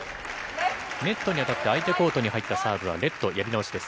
ネットに当たって、相手コートに入ったサーブはやり直しです。